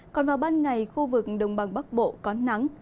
còn vào ban ngày khu vực đồng bằng bắc bộ có nắng